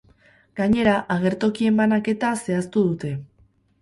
Gainera, agertokien banaketa zehaztu dute.